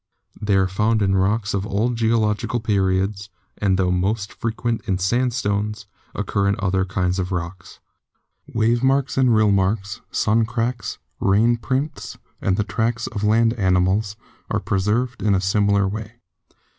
They are found in rocks of all geological periods, and tho most frequent in sandstones, occur in other kinds of rocks. Wave marks and rill marks, sun cracks, rain prints, and the tracks of land animals, are preserved in a similar way.